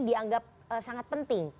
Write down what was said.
dianggap sangat penting